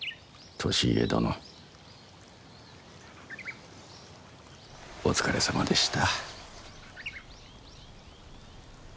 利家殿お疲れさまでした。